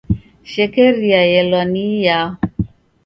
Shekeria yelwa ni iyao?